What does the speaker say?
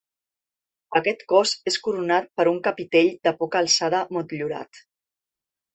Aquest cos és coronat per un capitell de poca alçada motllurat.